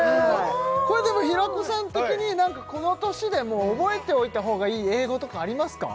これでも平子さん的にこの年でも覚えておいたほうがいい英語とかありますか？